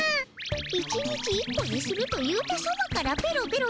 １日１個にすると言うたそばからペロペロと。